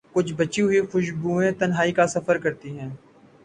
کچھ بچی ہوئی خوشبویں تنہائی کا سفر کرتی ہیں۔